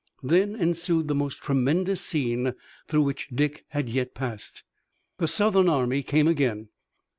Then ensued the most tremendous scene through which Dick had yet passed. The Southern army came again.